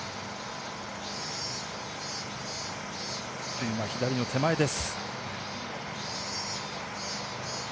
ピンは左の手前です。